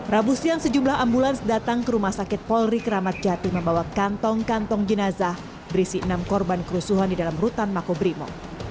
rabu siang sejumlah ambulans datang ke rumah sakit polri keramat jati membawa kantong kantong jenazah berisi enam korban kerusuhan di dalam rutan makobrimo